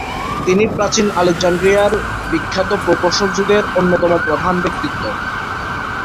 তিনি প্রাচীন আলেকজান্দ্রিয়ার বিখ্যাত প্রকৌশল যুগের অন্যতম প্রধান ব্যক্তিত্ব।